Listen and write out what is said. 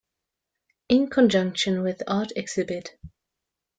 In conjunction with art exhibit.